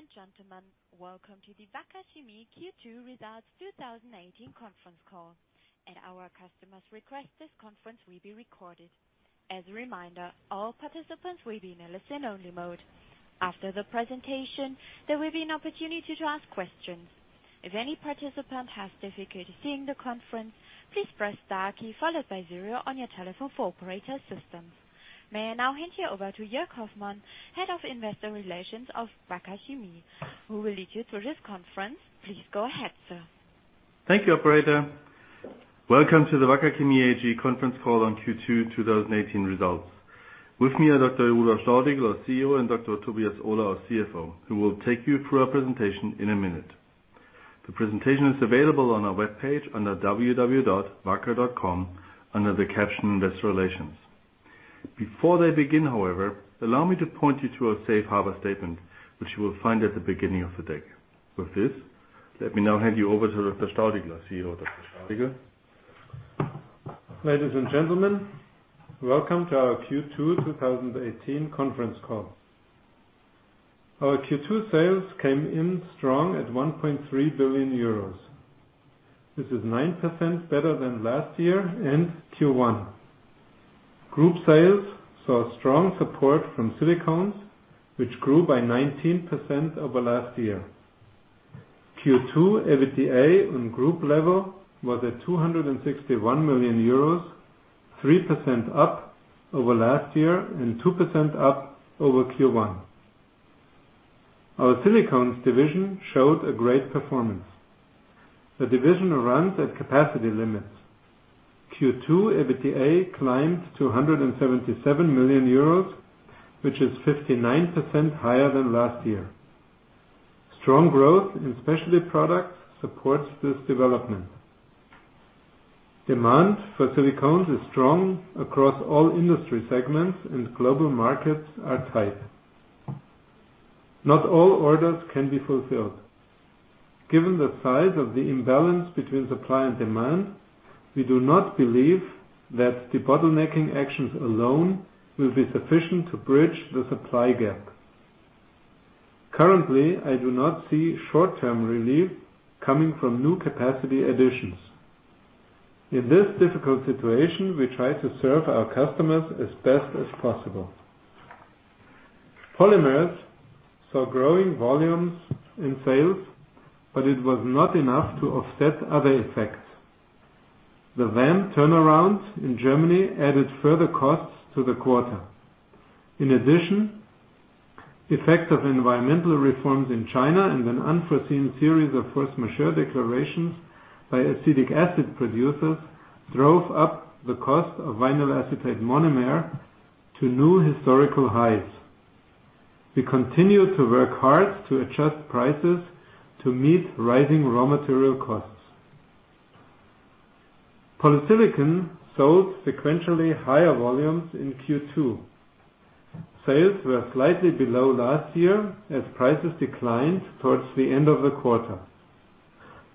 Dear ladies and gentlemen, welcome to the Wacker Chemie Q2 Results 2018 conference call. At our customer's request, this conference will be recorded. As a reminder, all participants will be in a listen-only mode. After the presentation, there will be an opportunity to ask questions. If any participant has difficulty hearing the conference, please press star key followed by zero on your telephone for operator assistance. May I now hand you over to Jörg Hoffmann, Head of Investor Relations of Wacker Chemie, who will lead you through this conference. Please go ahead, sir. Thank you, operator. Welcome to the Wacker Chemie AG conference call on Q2 2018 results. With me are Dr. Rudolf Staudigl, our CEO, and Dr. Tobias Ohler, our CFO, who will take you through our presentation in a minute. The presentation is available on our webpage under www.wacker.com under the caption Investor Relations. Before they begin, however, allow me to point you to a safe harbor statement, which you will find at the beginning of the deck. With this, let me now hand you over to Dr. Staudigl. CEO Dr. Staudigl. Ladies and gentlemen, welcome to our Q2 2018 conference call. Our Q2 sales came in strong at 1.3 billion euros. This is 9% better than last year and Q1. Group sales saw strong support from silicones, which grew by 19% over last year. Q2 EBITDA on group level was at 261 million euros, 3% up over last year and 2% up over Q1. Our silicones division showed a great performance. The division runs at capacity limits. Q2 EBITDA climbed to 177 million euros, which is 59% higher than last year. Strong growth in specialty products supports this development. Demand for silicones is strong across all industry segments, and global markets are tight. Not all orders can be fulfilled. Given the size of the imbalance between supply and demand, we do not believe that de-bottlenecking actions alone will be sufficient to bridge the supply gap. Currently, I do not see short-term relief coming from new capacity additions. In this difficult situation, we try to serve our customers as best as possible. Polymers saw growing volumes in sales, but it was not enough to offset other effects. The VAM turnaround in Germany added further costs to the quarter. In addition, effects of environmental reforms in China and an unforeseen series of force majeure declarations by acetic acid producers drove up the cost of vinyl acetate monomer to new historical highs. We continue to work hard to adjust prices to meet rising raw material costs. Polysilicon sold sequentially higher volumes in Q2. Sales were slightly below last year as prices declined towards the end of the quarter.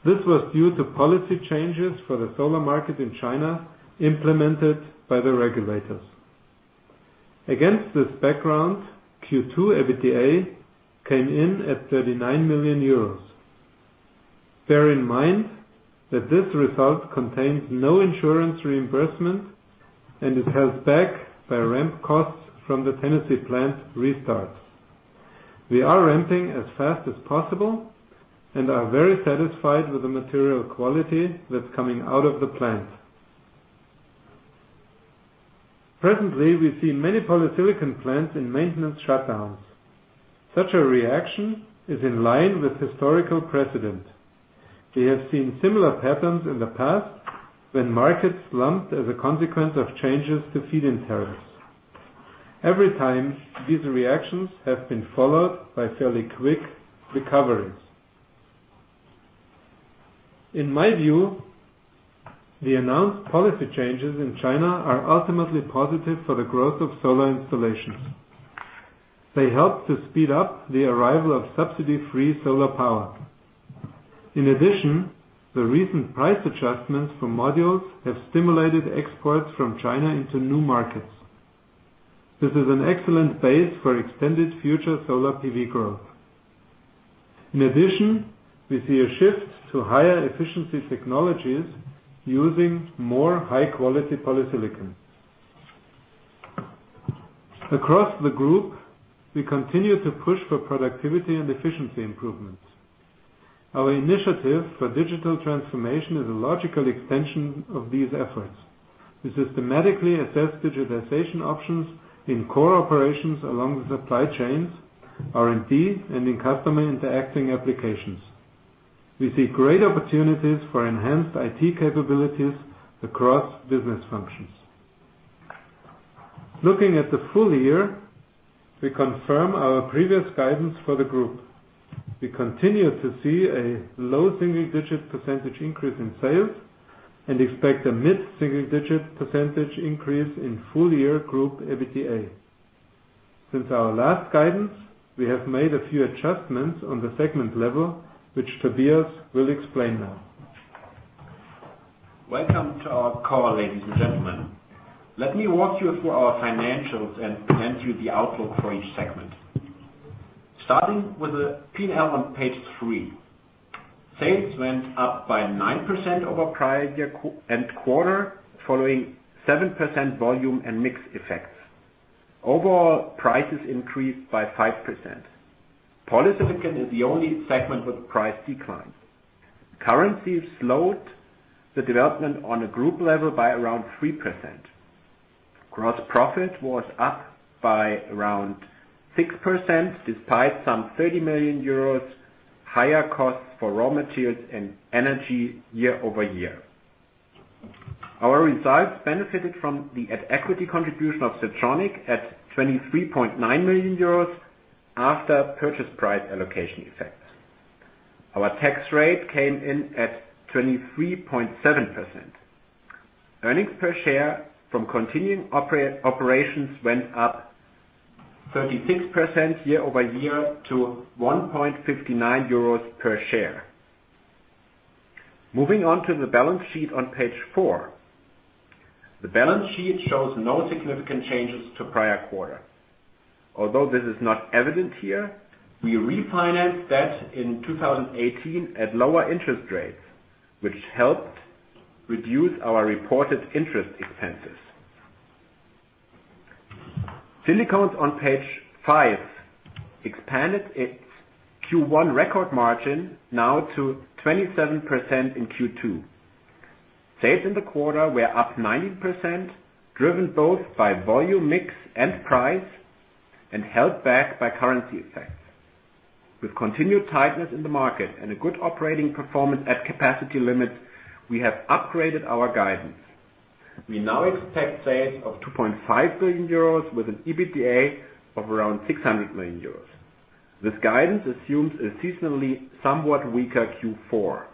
This was due to policy changes for the solar market in China implemented by the regulators. Against this background, Q2 EBITDA came in at 39 million euros. Bear in mind that this result contains no insurance reimbursement and is held back by ramp costs from the Tennessee plant restart. We are ramping as fast as possible and are very satisfied with the material quality that's coming out of the plant. Presently, we see many polysilicon plants in maintenance shutdowns. Such a reaction is in line with historical precedent. We have seen similar patterns in the past when markets slumped as a consequence of changes to feed-in tariffs. Every time, these reactions have been followed by fairly quick recoveries. In my view, the announced policy changes in China are ultimately positive for the growth of solar installations. They help to speed up the arrival of subsidy-free solar power. In addition, the recent price adjustments for modules have stimulated exports from China into new markets. This is an excellent base for extended future solar PV growth. We see a shift to higher efficiency technologies using more high-quality polysilicon. Across the group, we continue to push for productivity and efficiency improvements. Our initiative for digital transformation is a logical extension of these efforts. We systematically assess digitalization options in core operations along the supply chains, R&D, and in customer-interacting applications. We see great opportunities for enhanced IT capabilities across business functions. Looking at the full year, we confirm our previous guidance for the group. We continue to see a low single-digit % increase in sales and expect a mid-single-digit % increase in full-year group EBITDA. Since our last guidance, we have made a few adjustments on the segment level, which Tobias will explain now. Welcome to our call, ladies and gentlemen. Let me walk you through our financials and present you the outlook for each segment. Starting with the P&L on page three. Sales went up by 9% over prior year and quarter, following 7% volume and mix effects. Overall, prices increased by 5%. Polysilicon is the only segment with price decline. Currency slowed the development on a group level by around 3%. Gross profit was up by around 6%, despite some 30 million euros higher costs for raw materials and energy year-over-year. Our results benefited from the at equity contribution of Siltronic at 23.9 million euros after purchase price allocation effects. Our tax rate came in at 23.7%. Earnings per share from continuing operations went up 36% year-over-year to 1.59 euros per share. Moving on to the balance sheet on page four. The balance sheet shows no significant changes to prior quarter. This is not evident here, we refinanced debt in 2018 at lower interest rates, which helped reduce our reported interest expenses. Silicones on page five expanded its Q1 record margin now to 27% in Q2. Sales in the quarter were up 19%, driven both by volume mix and price, and held back by currency effects. With continued tightness in the market and a good operating performance at capacity limits, we have upgraded our guidance. We now expect sales of 2.5 billion euros with an EBITDA of around 600 million euros. This guidance assumes a seasonally somewhat weaker Q4.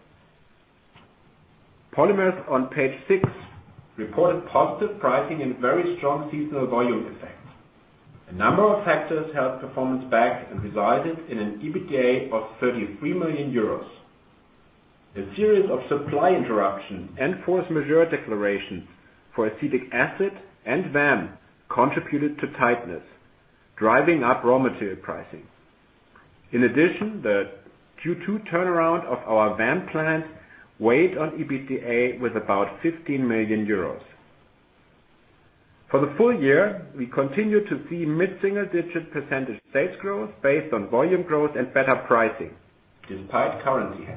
Polymers on page six reported positive pricing and very strong seasonal volume effect. A number of factors held performance back and resulted in an EBITDA of 33 million euros. A series of supply interruption and force majeure declarations for acetic acid and VAM contributed to tightness, driving up raw material pricing. In addition, the Q2 turnaround of our VAM plant weighed on EBITDA with about 15 million euros. For the full year, we continue to see mid-single digit % sales growth based on volume growth and better pricing, despite currency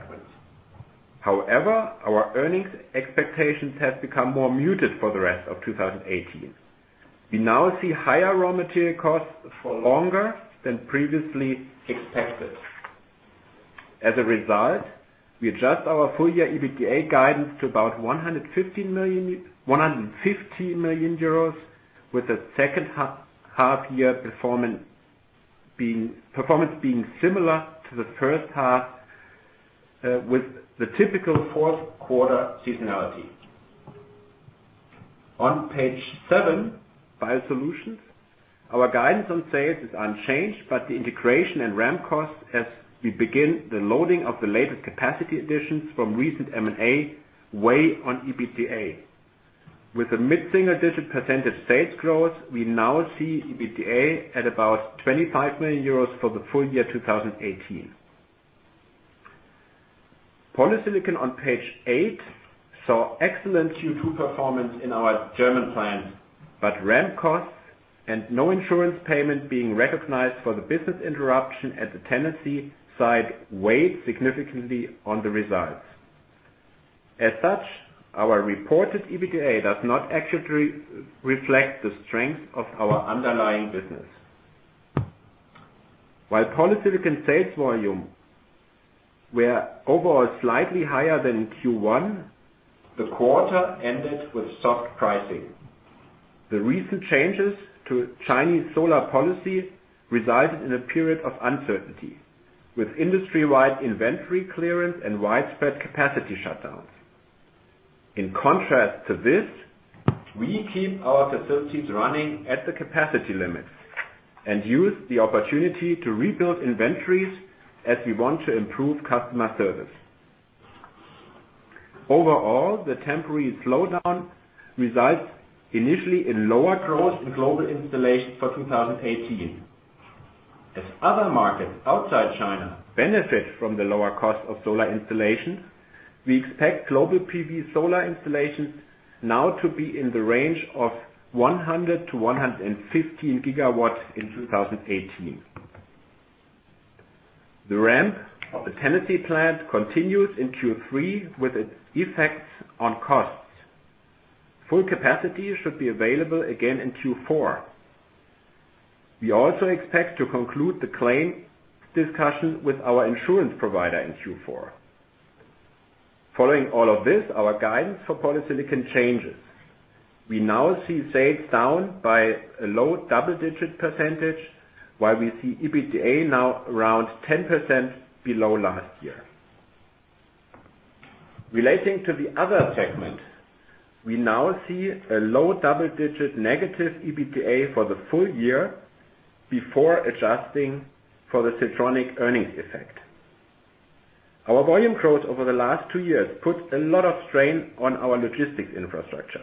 headwinds. Our earnings expectations have become more muted for the rest of 2018. We now see higher raw material costs for longer than previously expected. We adjust our full year EBITDA guidance to about 150 million euros with the second half year performance being similar to the first half with the typical fourth quarter seasonality. On page seven, Biosolutions. Our guidance on sales is unchanged, but the integration and ramp costs as we begin the loading of the latest capacity additions from recent M&A weigh on EBITDA. With a mid-single digit % sales growth, we now see EBITDA at about 25 million euros for the full year 2018. Polysilicon on page eight, saw excellent Q2 performance in our German plant, but ramp costs and no insurance payment being recognized for the business interruption at the Tennessee site weighed significantly on the results. As such, our reported EBITDA does not accurately reflect the strength of our underlying business. While polysilicon sales volume were overall slightly higher than in Q1, the quarter ended with soft pricing. The recent changes to Chinese solar policy resulted in a period of uncertainty with industry-wide inventory clearance and widespread capacity shutdowns. In contrast to this, we keep our facilities running at the capacity limits and use the opportunity to rebuild inventories as we want to improve customer service. Overall, the temporary slowdown results initially in lower growth in global installation for 2018. As other markets outside China benefit from the lower cost of solar installation, we expect global PV solar installations now to be in the range of 100-115 gigawatts in 2018. The ramp of the Tennessee plant continues in Q3 with its effects on costs. Full capacity should be available again in Q4. We also expect to conclude the claim discussion with our insurance provider in Q4. Following all of this, our guidance for polysilicon changes. We now see sales down by a low double-digit %, while we see EBITDA now around 10% below last year. Relating to the Other segment, we now see a low double-digit negative EBITDA for the full year Before adjusting for the Siltronic earnings effect. Our volume growth over the last two years put a lot of strain on our logistics infrastructure,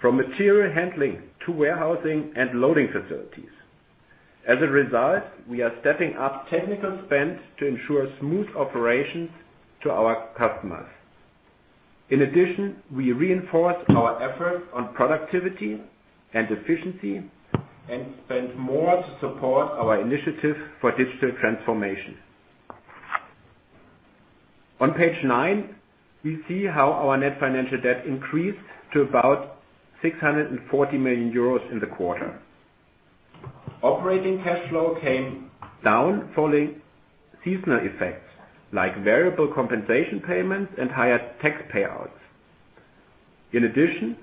from material handling to warehousing and loading facilities. As a result, we are stepping up technical spend to ensure smooth operations to our customers. In addition, we reinforce our efforts on productivity and efficiency and spend more to support our initiative for digital transformation. On page nine, we see how our net financial debt increased to about 640 million euros in the quarter. Operating cash flow came down following seasonal effects, like variable compensation payments and higher tax payouts. In addition,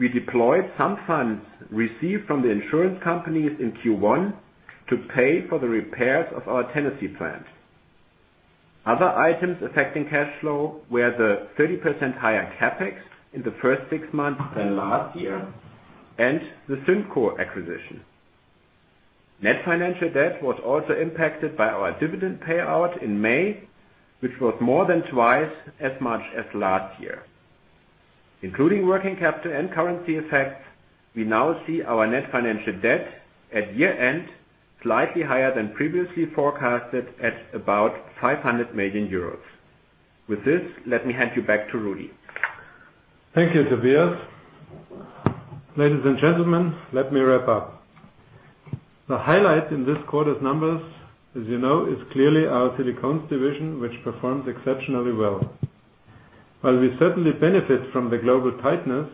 we deployed some funds received from the insurance companies in Q1 to pay for the repairs of our Tennessee plant. Other items affecting cash flow were the 30% higher CapEx in the first six months than last year and the SynCo acquisition. Net financial debt was also impacted by our dividend payout in May, which was more than twice as much as last year. Including working capital and currency effects, we now see our net financial debt at year-end slightly higher than previously forecasted at about 500 million euros. With this, let me hand you back to Rudi. Thank you, Tobias. Ladies and gentlemen, let me wrap up. The highlight in this quarter's numbers, as you know, is clearly our Silicones Division, which performed exceptionally well. While we certainly benefit from the global tightness,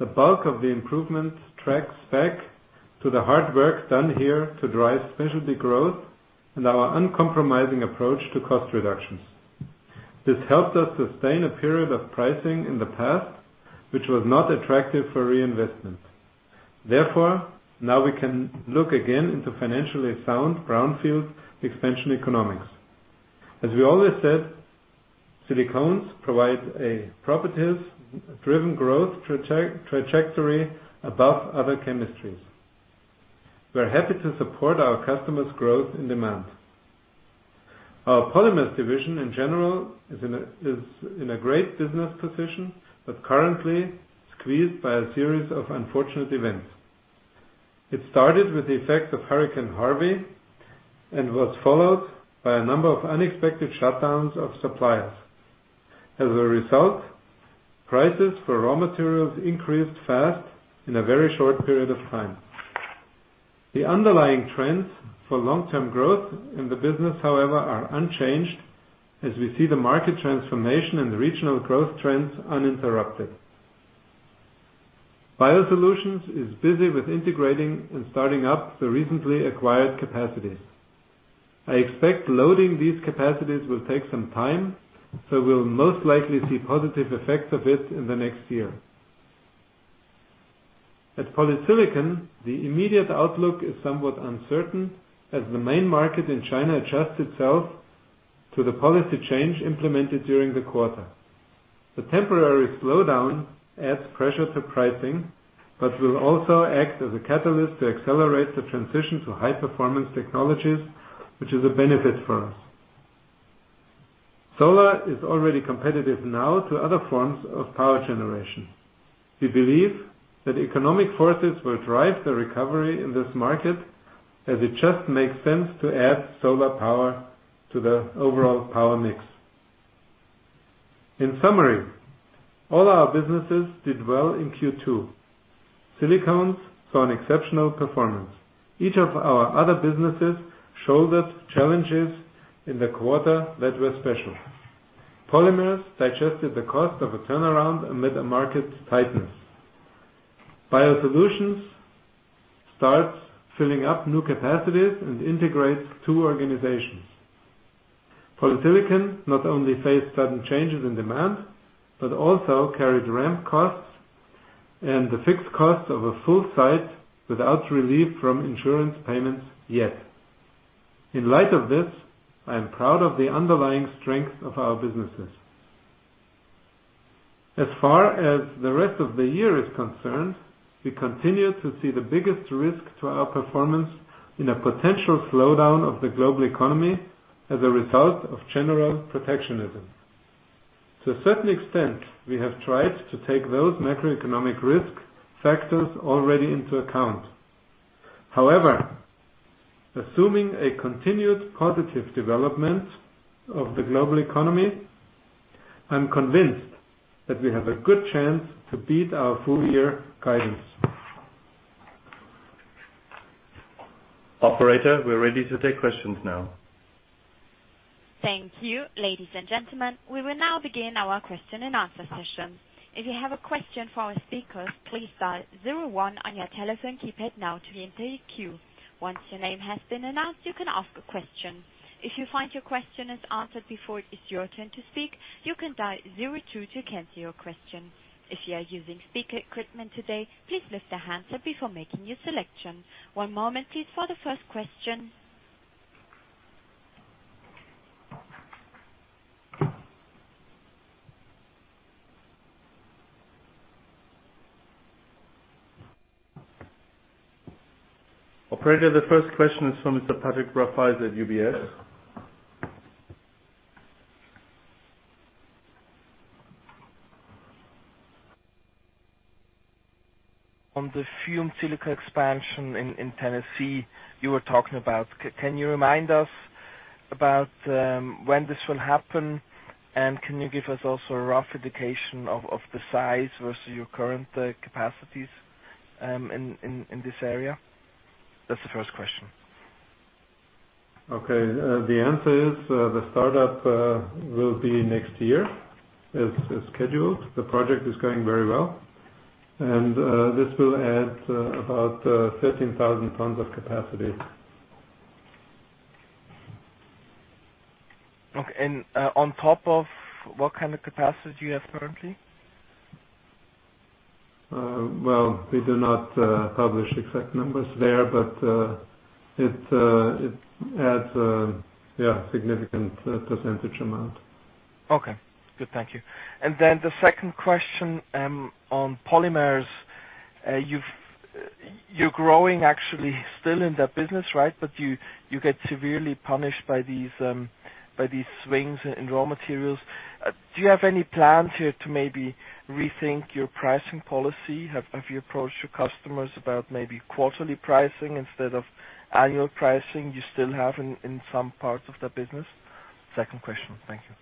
the bulk of the improvements tracks back to the hard work done here to drive specialty growth and our uncompromising approach to cost reductions. This helped us sustain a period of pricing in the past, which was not attractive for reinvestment. Now we can look again into financially sound brownfield expansion economics. As we always said, silicones provide a properties-driven growth trajectory above other chemistries. We're happy to support our customers' growth and demand. Our Polymers Division, in general, is in a great business position, but currently squeezed by a series of unfortunate events. It started with the effect of Hurricane Harvey and was followed by a number of unexpected shutdowns of suppliers. Prices for raw materials increased fast in a very short period of time. The underlying trends for long-term growth in the business, however, are unchanged as we see the market transformation and regional growth trends uninterrupted. Biosolutions is busy with integrating and starting up the recently acquired capacities. I expect loading these capacities will take some time, so we'll most likely see positive effects of it in the next year. At polysilicon, the immediate outlook is somewhat uncertain, as the main market in China adjusts itself to the policy change implemented during the quarter. The temporary slowdown adds pressure to pricing, but will also act as a catalyst to accelerate the transition to high-performance technologies, which is a benefit for us. Solar is already competitive now to other forms of power generation. We believe that economic forces will drive the recovery in this market as it just makes sense to add solar power to the overall power mix. All our businesses did well in Q2. Silicones saw an exceptional performance. Each of our other businesses shouldered challenges in the quarter that were special. Polymers digested the cost of a turnaround amid a market tightness. Biosolutions starts filling up new capacities and integrates two organizations. Polysilicon not only faced sudden changes in demand, but also carried ramp costs and the fixed costs of a full site without relief from insurance payments yet. In light of this, I am proud of the underlying strength of our businesses. As far as the rest of the year is concerned, we continue to see the biggest risk to our performance in a potential slowdown of the global economy as a result of general protectionism. To a certain extent, we have tried to take those macroeconomic risk factors already into account. However, assuming a continued positive development of the global economy, I'm convinced that we have a good chance to beat our full-year guidance. Operator, we're ready to take questions now. Thank you. Ladies and gentlemen, we will now begin our question and answer session. If you have a question for our speakers, please dial 01 on your telephone keypad now to enter the queue. Once your name has been announced, you can ask a question. If you find your question is answered before it is your turn to speak, you can dial 02 to cancel your question. If you are using speaker equipment today, please lift the handset before making your selection. One moment, please, for the first question. Operator, the first question is from Mr. Patrick Rafaisz at UBS. On the fumed silica expansion in Tennessee you were talking about, can you remind us about when this will happen? Can you give us also a rough indication of the size versus your current capacities in this area? That's the first question. Okay. The answer is the startup will be next year, as scheduled. The project is going very well. This will add about 13,000 tons of capacity. Okay. On top of what kind of capacity do you have currently? Well, we do not publish exact numbers there, but it adds a significant percentage amount. Okay, good. Thank you. The second question on polymers. You're growing actually still in that business, right? You get severely punished by these swings in raw materials. Do you have any plans here to maybe rethink your pricing policy? Have you approached your customers about maybe quarterly pricing instead of annual pricing you still have in some parts of that business? Second question. Thank you.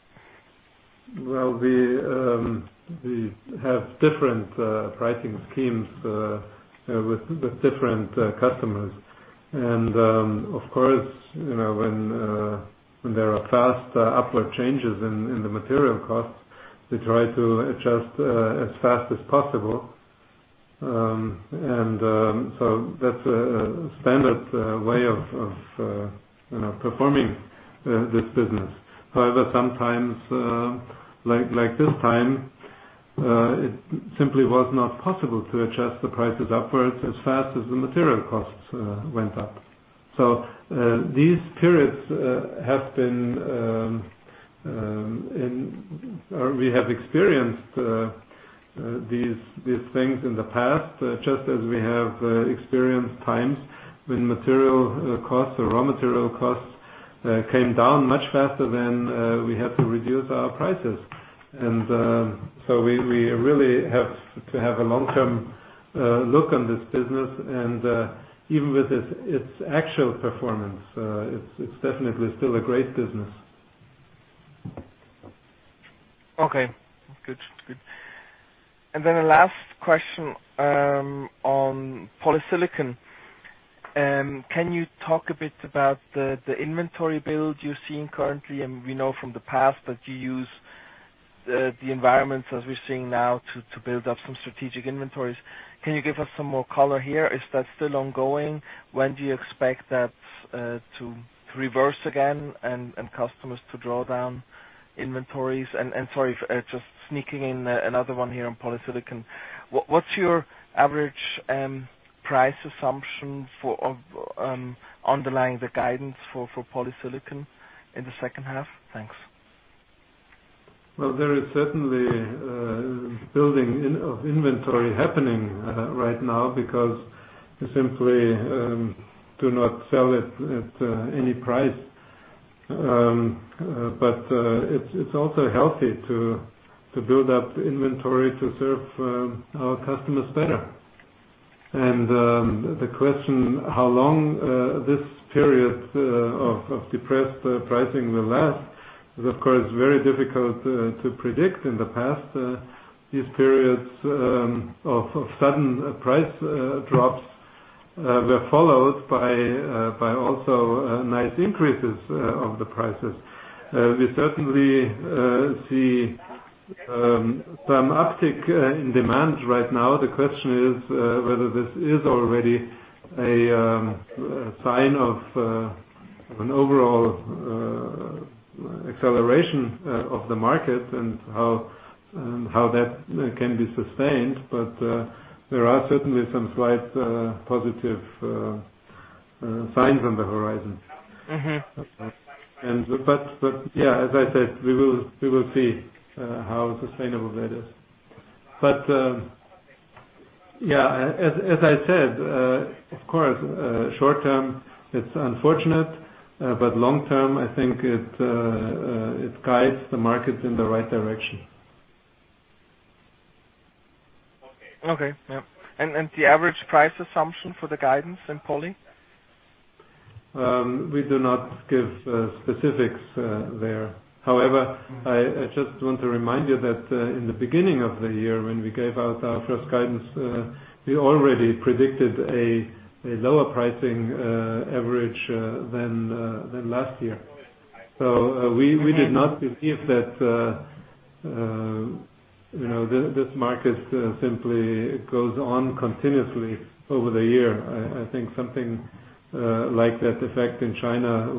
Well, we have different pricing schemes with different customers. Of course, when there are fast upward changes in the material costs, we try to adjust as fast as possible. So that's a standard way of performing this business. However, sometimes, like this time, it simply was not possible to adjust the prices upwards as fast as the material costs went up. These periods, we have experienced these things in the past, just as we have experienced times when material costs or raw material costs came down much faster than we had to reduce our prices. So we really have to have a long-term look on this business, and even with its actual performance, it's definitely still a great business. Okay, good. Then a last question on polysilicon. Can you talk a bit about the inventory build you're seeing currently? We know from the past that you use the environments as we're seeing now to build up some strategic inventories. Can you give us some more color here? Is that still ongoing? When do you expect that to reverse again and customers to draw down inventories? Sorry, just sneaking in another one here on polysilicon. What's your average price assumption underlying the guidance for polysilicon in the second half? Thanks. Well, there is certainly building of inventory happening right now because we simply do not sell it at any price. It's also healthy to build up inventory to serve our customers better. The question, how long this period of depressed pricing will last is, of course, very difficult to predict. In the past, these periods of sudden price drops were followed by also nice increases of the prices. We certainly see some uptick in demand right now. The question is whether this is already a sign of an overall acceleration of the market and how that can be sustained. There are certainly some slight positive signs on the horizon. Yeah, as I said, we will see how sustainable that is. Yeah, as I said, of course, short-term, it's unfortunate, but long-term, I think it guides the market in the right direction. Okay. Yeah. The average price assumption for the guidance in poly? We do not give specifics there. However, I just want to remind you that in the beginning of the year, when we gave out our first guidance, we already predicted a lower pricing average than last year. We did not believe that this market simply goes on continuously over the year. I think something like that effect in China,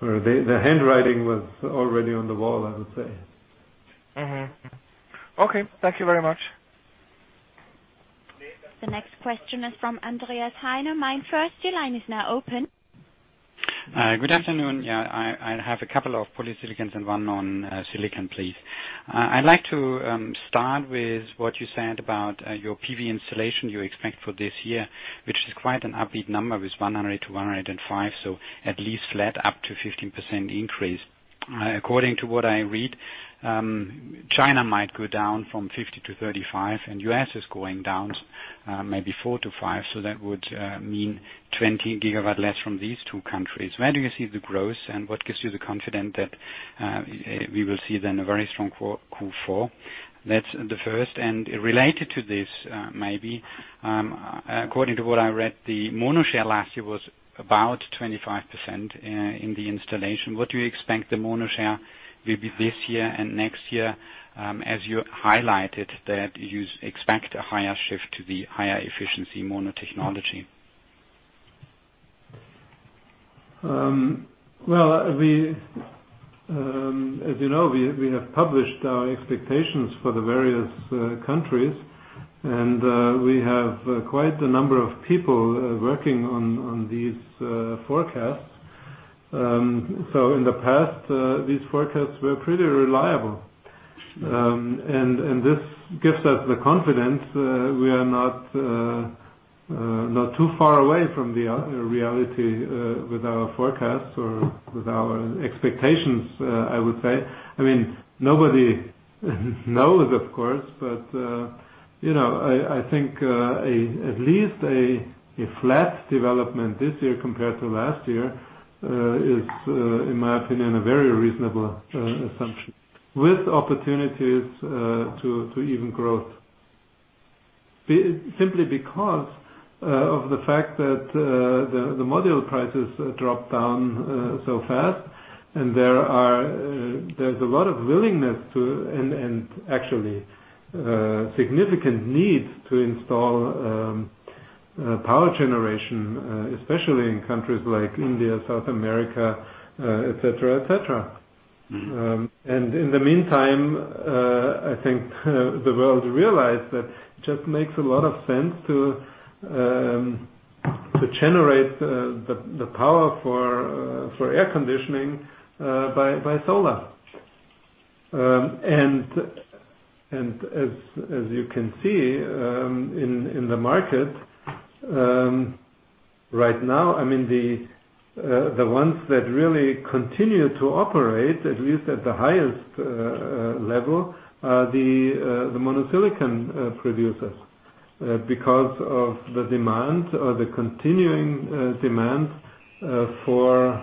the handwriting was already on the wall, I would say. Okay. Thank you very much. The next question is from Andreas Heinemann, MainFirst. Your line is now open. Good afternoon. Yeah, I have a couple of polysilicons and one on silicon, please. I'd like to start with what you said about your PV installation you expect for this year, which is quite an upbeat number, with 100-105 GW, so at least flat up to 15% increase. According to what I read, China might go down from 50 to 35, and the U.S. is going down maybe 4 to 5, so that would mean 20 gigawatt less from these two countries. Where do you see the growth, and what gives you the confidence that we will see then a very strong Q4? That's the first. Related to this, maybe, according to what I read, the mono share last year was about 25% in the installation. What do you expect the mono share will be this year and next year, as you highlighted that you expect a higher shift to the higher efficiency mono technology? Well, as you know, we have published our expectations for the various countries, and we have quite a number of people working on these forecasts. In the past, these forecasts were pretty reliable. This gives us the confidence we are not too far away from the reality with our forecasts or with our expectations, I would say. Nobody knows, of course, but I think at least a flat development this year compared to last year is, in my opinion, a very reasonable assumption, with opportunities to even growth. Simply because of the fact that the module prices dropped down so fast, and there's a lot of willingness, and actually significant needs to install power generation, especially in countries like India, South America, et cetera. In the meantime, I think the world realized that it just makes a lot of sense to generate the power for air conditioning by solar. As you can see in the market right now, the ones that really continue to operate, at least at the highest level, are the mono-silicon producers, because of the continuing demand for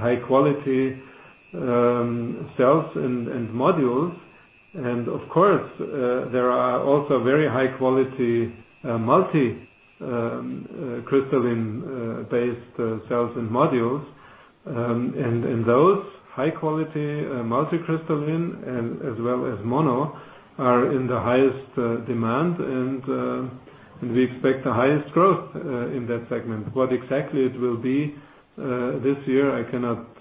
high-quality cells and modules. Of course, there are also very high-quality multi-crystalline-based cells and modules. Those high quality, multi-crystalline, as well as mono, are in the highest demand, and we expect the highest growth in that segment. What exactly it will be this year, I cannot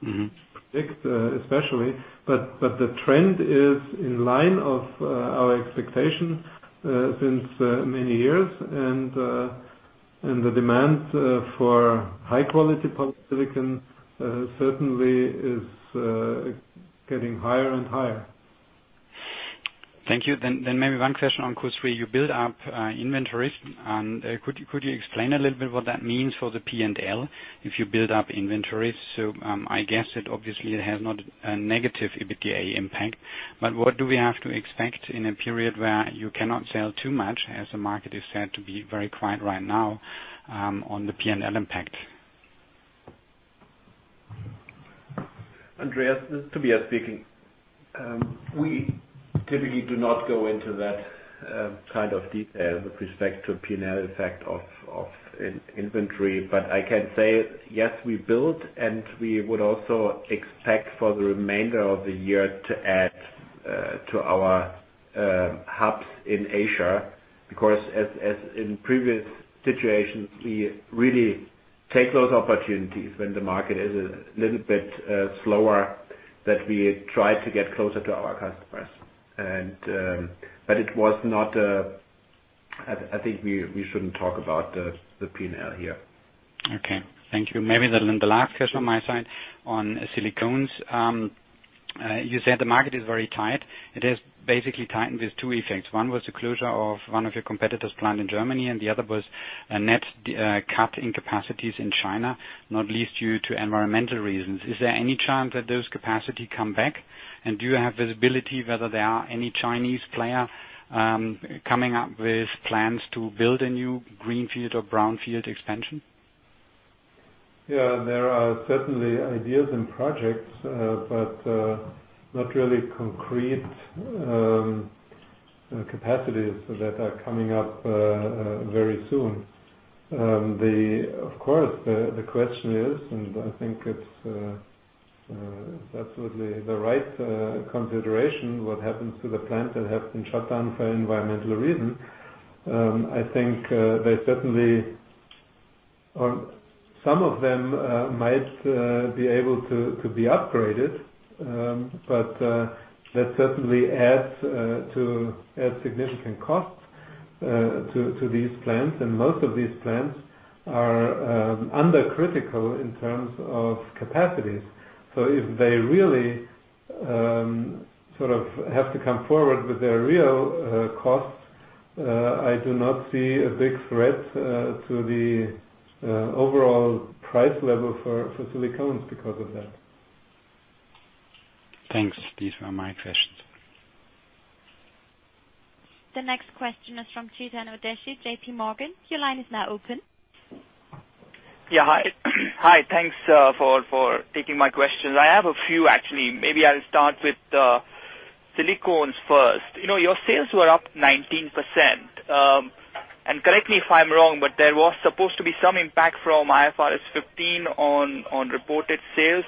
predict, especially. The trend is in line of our expectation since many years. The demand for high-quality polysilicon certainly is getting higher and higher. Thank you. Maybe one question on Q3. You build up inventories. Could you explain a little bit what that means for the P&L if you build up inventories? I guess it obviously has not a negative EBITDA impact. What do we have to expect in a period where you cannot sell too much, as the market is said to be very quiet right now, on the P&L impact? Andreas, this is Tobias speaking. We typically do not go into that kind of detail with respect to P&L effect of inventory. I can say, yes, we build, and we would also expect for the remainder of the year to add to our hubs in Asia. As in previous situations, we really take those opportunities when the market is a little bit slower, that we try to get closer to our customers. I think we shouldn't talk about the P&L here. Okay. Thank you. Maybe the last question on my side on silicones. You said the market is very tight. It is basically tightened with two effects. One was the closure of one of your competitor's plant in Germany, and the other was a net cut in capacities in China, not least due to environmental reasons. Is there any chance that those capacity come back? Do you have visibility whether there are any Chinese player coming up with plans to build a new greenfield or brownfield expansion? There are certainly ideas and projects, not really concrete capacities that are coming up very soon. Of course, the question is, I think it's absolutely the right consideration, what happens to the plants that have been shut down for environmental reasons? I think some of them might be able to be upgraded. That certainly adds significant costs to these plants. Most of these plants are under critical in terms of capacities. If they really have to come forward with their real costs, I do not see a big threat to the overall price level for silicones because of that. Thanks. These were my questions. The next question is from Chetan Udeshi, JPMorgan, your line is now open. Yeah. Hi. Thanks for taking my questions. I have a few actually. Maybe I'll start with silicones first. Your sales were up 19%, and correct me if I'm wrong, but there was supposed to be some impact from IFRS 15 on reported sales.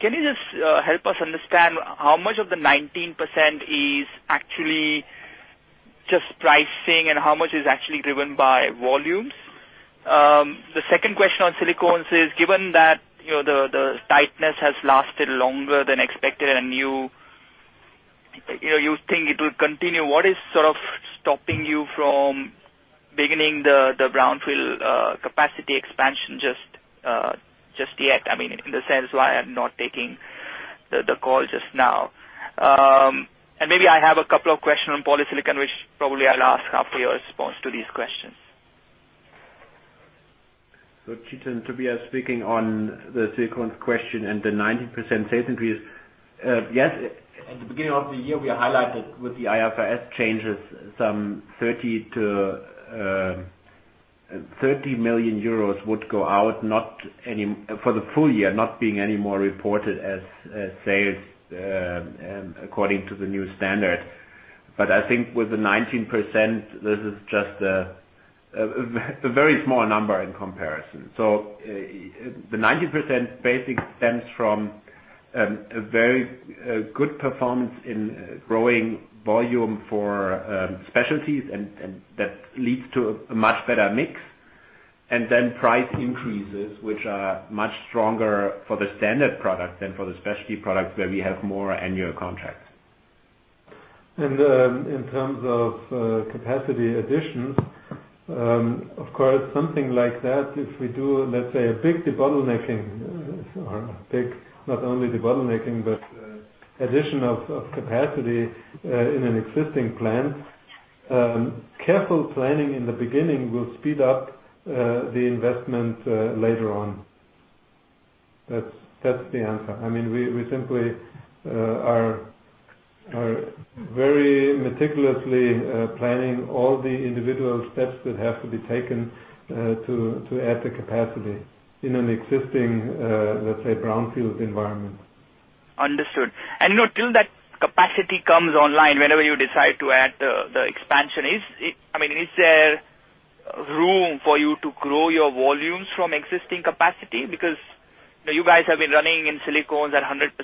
Can you just help us understand how much of the 19% is actually just pricing and how much is actually driven by volumes? The second question on silicones is, given that the tightness has lasted longer than expected and you think it will continue, what is stopping you from beginning the brownfield capacity expansion just yet? In the sense, why I'm not taking the call just now. Maybe I have a couple of questions on polysilicon, which probably I'll ask after your response to these questions. Chetan, Tobias speaking on the silicones question and the 19% sales increase. Yes, at the beginning of the year, we highlighted with the IFRS changes some 30 million euros would go out, for the full year, not being any more reported as sales according to the new standard. I think with the 19%, this is just a very small number in comparison. The 19% basic stems from a very good performance in growing volume for specialties and that leads to a much better mix. Price increases, which are much stronger for the standard product than for the specialty product, where we have more annual contracts. In terms of capacity additions, of course, something like that, if we do, let's say, a big debottlenecking, or a big not only debottlenecking, but addition of capacity in an existing plant. Careful planning in the beginning will speed up the investment later on. That's the answer. We simply are very meticulously planning all the individual steps that have to be taken to add the capacity in an existing, let's say, brownfield environment. Understood. Till that capacity comes online, whenever you decide to add the expansion, is there room for you to grow your volumes from existing capacity? Because you guys have been running in Silicones at 100%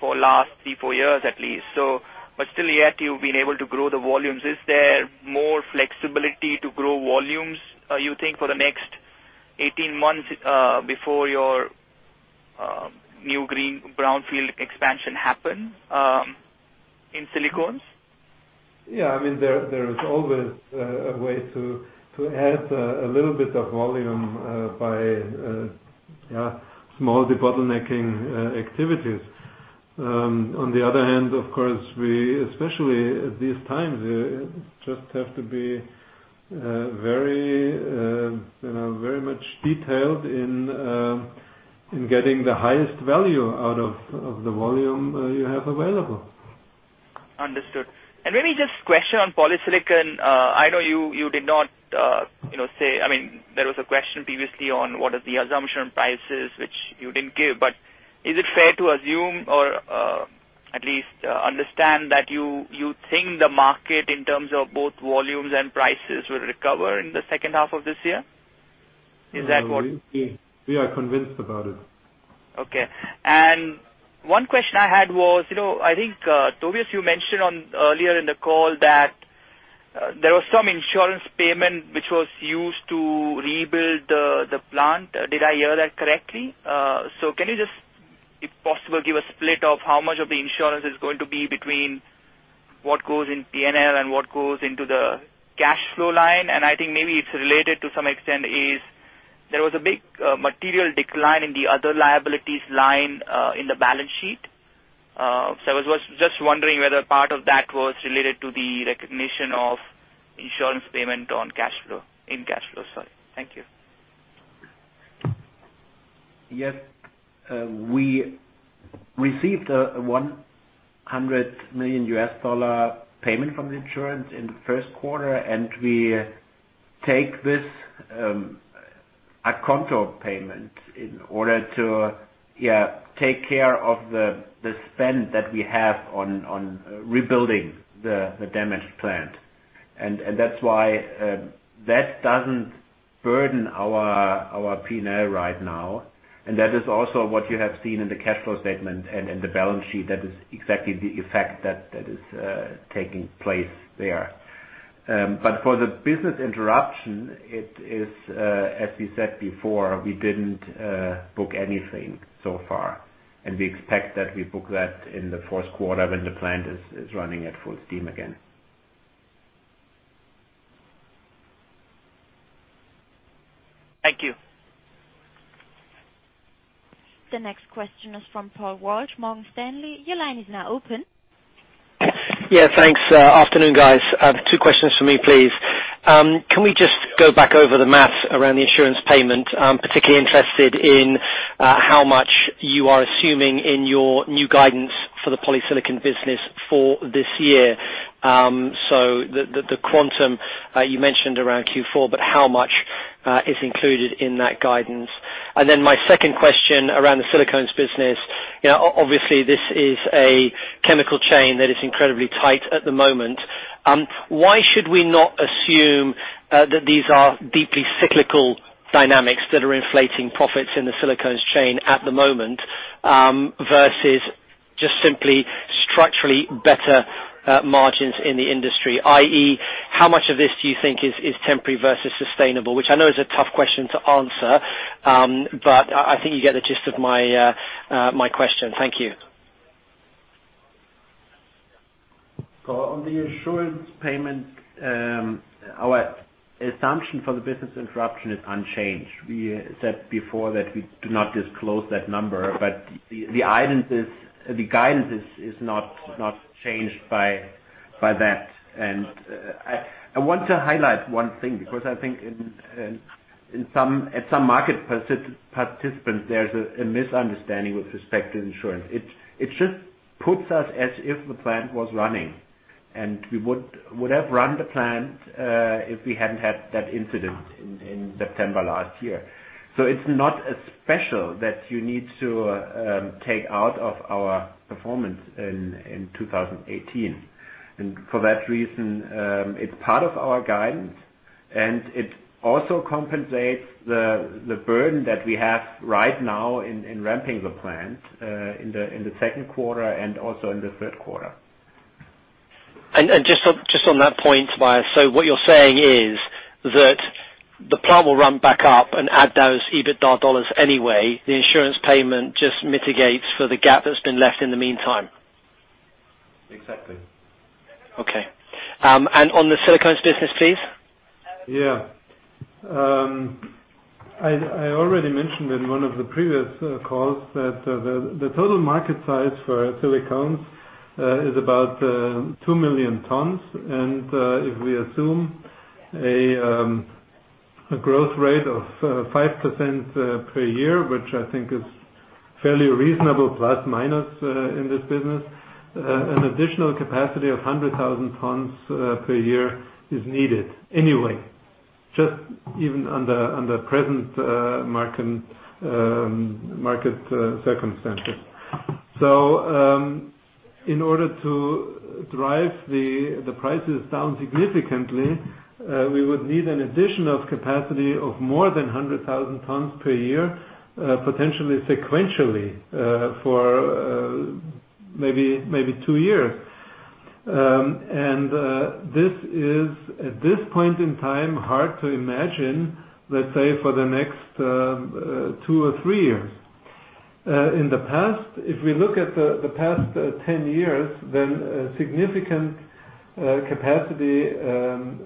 for last three, four years at least. Still yet you've been able to grow the volumes. Is there more flexibility to grow volumes, you think for the next 18 months, before your new brownfield expansion happen in Silicones? Yeah. There is always a way to add a little bit of volume by small debottlenecking activities. On the other hand, of course, we, especially at these times, just have to be very much detailed in getting the highest value out of the volume you have available. Understood. Maybe just a question on Polysilicon. I know you did not say. There was a question previously on what is the assumption prices, which you didn't give. Is it fair to assume, or at least understand that you think the market, in terms of both volumes and prices, will recover in the second half of this year? Is that what- We are convinced about it. Okay. One question I had was, I think, Tobias, you mentioned earlier in the call that there was some insurance payment, which was used to rebuild the plant. Did I hear that correctly? Can you just, if possible, give a split of how much of the insurance is going to be between what goes in P&L and what goes into the cash flow line? I think maybe it is related to some extent is there was a big material decline in the other liabilities line, in the balance sheet. I was just wondering whether part of that was related to the recognition of insurance payment in cash flow. Sorry. Thank you. Yes. We received $100 million payment from the insurance in the first quarter, and we take this account of payment in order to take care of the spend that we have on rebuilding the damaged plant. That is why that does not burden our P&L right now. That is also what you have seen in the cash flow statement and in the balance sheet. That is exactly the effect that is taking place there. For the business interruption, it is, as we said before, we did not book anything so far. We expect that we book that in the fourth quarter when the plant is running at full steam again. The next question is from Paul Walsh, Morgan Stanley. Your line is now open. Thanks. Afternoon, guys. Two questions for me, please. Can we just go back over the math around the insurance payment? I'm particularly interested in how much you are assuming in your new guidance for the polysilicon business for this year. The quantum you mentioned around Q4, but how much is included in that guidance? My second question around the silicones business. Obviously, this is a chemical chain that is incredibly tight at the moment. Why should we not assume that these are deeply cyclical dynamics that are inflating profits in the silicones chain at the moment, versus just simply structurally better margins in the industry, i.e., how much of this do you think is temporary versus sustainable? Which I know is a tough question to answer, but I think you get the gist of my question. Thank you. On the insurance payment, our assumption for the business interruption is unchanged. We said before that we do not disclose that number, but the guidance is not changed by that. I want to highlight one thing, because I think at some market participants, there's a misunderstanding with respect to insurance. It just puts us as if the plant was running, and we would have run the plant if we hadn't had that incident in September last year. It's not a special that you need to take out of our performance in 2018. For that reason, it's part of our guidance, and it also compensates the burden that we have right now in ramping the plant in the second quarter and also in the third quarter. Just on that point, what you're saying is that the plant will ramp back up and add those EBITDA EUR anyway. The insurance payment just mitigates for the gap that's been left in the meantime. Exactly. Okay. On the silicones business, please. Yeah. I already mentioned in one of the previous calls that the total market size for silicones is about 2 million tons, if we assume a growth rate of 5% per year, which I think is fairly reasonable, plus or minus in this business, an additional capacity of 100,000 tons per year is needed anyway, just even under present market circumstances. In order to drive the prices down significantly, we would need an addition of capacity of more than 100,000 tons per year, potentially sequentially, for maybe two years. This is, at this point in time, hard to imagine, let's say, for the next two or three years. In the past, if we look at the past 10 years, significant capacity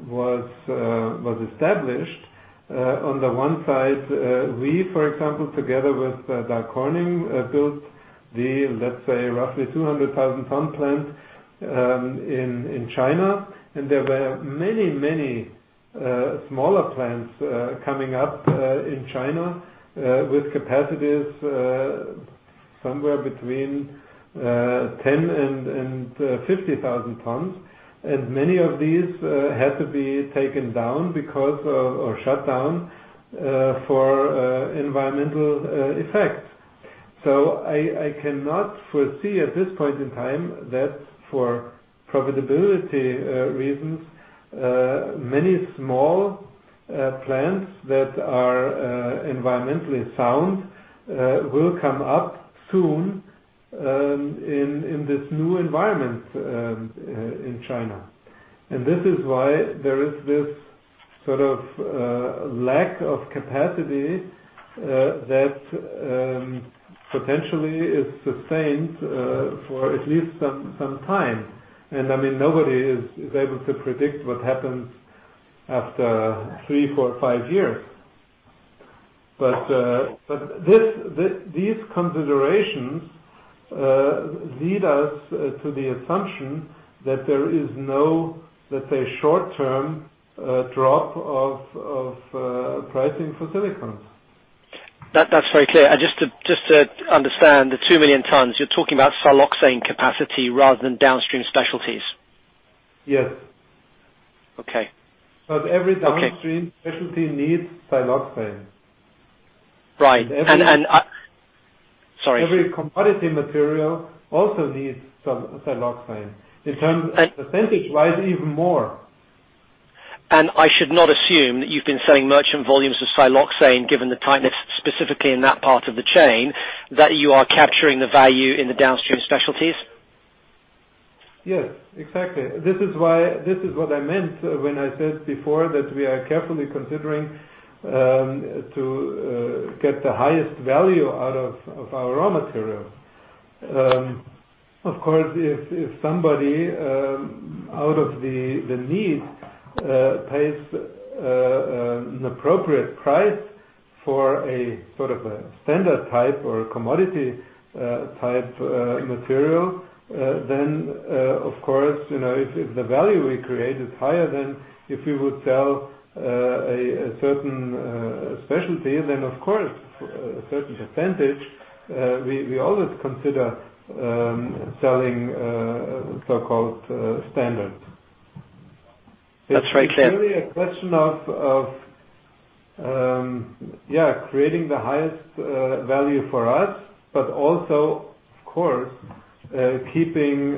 was established. On the one side, we, for example, together with Dow Corning, built the, let's say, roughly 200,000 ton plant in China. There were many smaller plants coming up in China with capacities somewhere between 10,000 and 50,000 tons. Many of these had to be taken down because of, or shut down for environmental effects. I cannot foresee at this point in time that for profitability reasons, many small plants that are environmentally sound will come up soon in this new environment in China. This is why there is this sort of lack of capacity that potentially is sustained for at least some time. I mean, nobody is able to predict what happens after three, four, five years. These considerations lead us to the assumption that there is no, let's say, short-term drop of pricing for silicones. That's very clear. Just to understand, the 2 million tons, you're talking about siloxane capacity rather than downstream specialties. Yes. Okay. Every downstream specialty needs siloxane. Right. Sorry. Every commodity material also needs some siloxane. In terms of percentage-wise, even more. I should not assume that you've been selling merchant volumes of siloxane, given the tightness specifically in that part of the chain, that you are capturing the value in the downstream specialties? Yes, exactly. This is what I meant when I said before that we are carefully considering to get the highest value out of our raw material. Of course, if somebody out of the need pays an appropriate price for a standard type or a commodity type material, then, of course, if the value we create is higher than if we would sell a certain specialty, then of course, a certain percentage, we always consider selling so-called standard. That's right. It's really a question of creating the highest value for us, but also, of course, keeping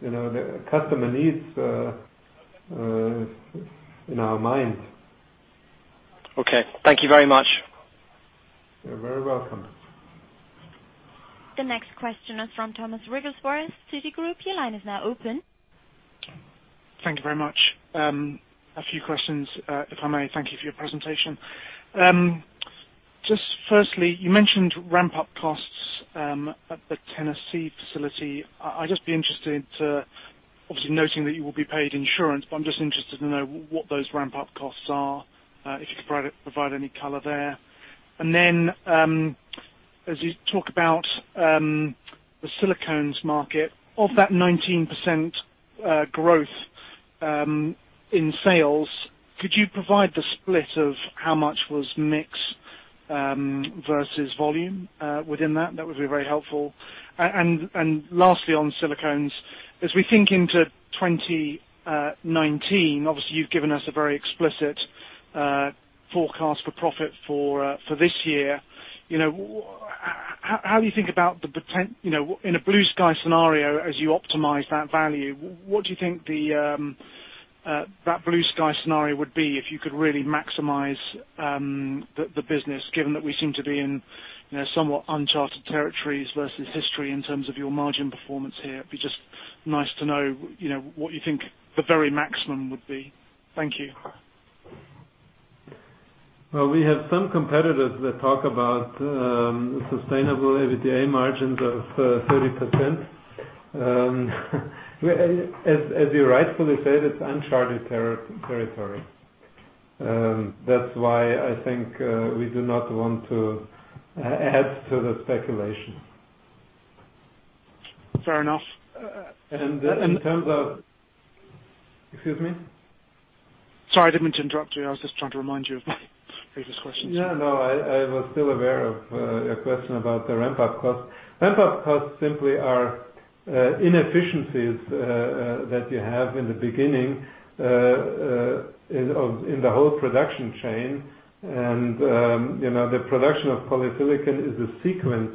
the customer needs in our mind. Okay. Thank you very much. You're very welcome. The next question is from Thomas Wigglesworth, Citigroup. Your line is now open. Thank you very much. A few questions, if I may. Thank you for your presentation. Just firstly, you mentioned ramp-up costs at the Tennessee facility. I'd just be interested to, obviously noting that you will be paid insurance, but I'm just interested to know what those ramp-up costs are. If you could provide any color there. Then, as you talk about the silicones market, of that 19% growth in sales, could you provide the split of how much was mix versus volume within that? That would be very helpful. Lastly, on silicones, as we think into 2019, obviously you've given us a very explicit forecast for profit for this year. In a blue sky scenario, as you optimize that value, what do you think that blue sky scenario would be if you could really maximize the business, given that we seem to be in somewhat uncharted territories versus history in terms of your margin performance here? It'd be just nice to know what you think the very maximum would be. Thank you. Well, we have some competitors that talk about sustainable EBITDA margins of 30%. As you rightfully said, it's uncharted territory. That's why I think we do not want to add to the speculation. Fair enough. Excuse me? Sorry, I didn't mean to interrupt you. I was just trying to remind you of my previous questions. I was still aware of your question about the ramp-up costs. Ramp-up costs simply are inefficiencies that you have in the beginning in the whole production chain. The production of polysilicon is a sequence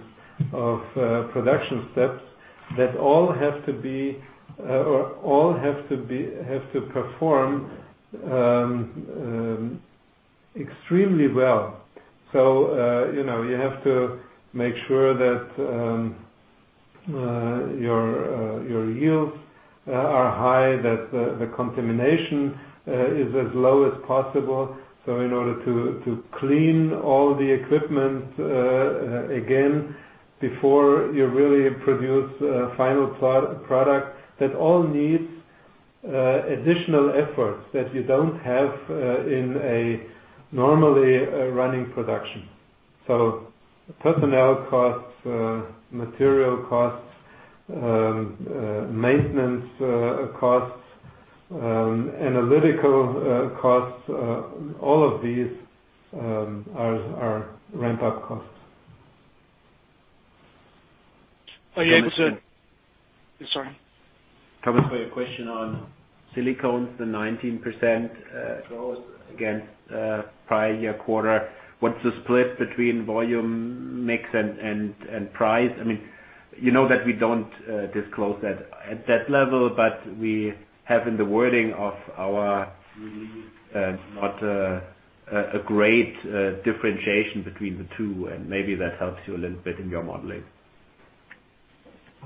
of production steps that all have to perform extremely well. You have to make sure that your yields are high, that the contamination is as low as possible. In order to clean all the equipment again before you really produce a final product, that all needs additional efforts that you don't have in a normally running production. Personnel costs, material costs, maintenance costs, analytical costs, all of these are ramp-up costs. Sorry. Thomas, for your question on silicones, the 19% growth against prior year quarter. What's the split between volume mix and price? You know that we don't disclose that at that level, but we have in the wording of our release, not a great differentiation between the two. Maybe that helps you a little bit in your modeling.